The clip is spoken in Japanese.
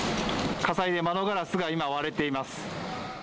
火災で窓ガラスが今、割れています。